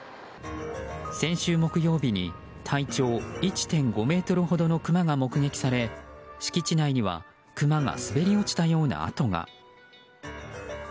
先週木曜日に体長１．５ｍほどのクマが目撃され敷地内にはクマが滑り落ちたような跡が。